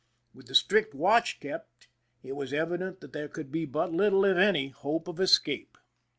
With the strict watch kept, it was evident that there could be but little, if any, hope of escape.